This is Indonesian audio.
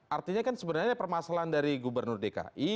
artinya kan sebenarnya ada permasalahan dari gubernur dki